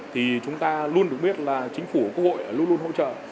thì chúng ta luôn được biết là chính phủ quốc hội luôn luôn hỗ trợ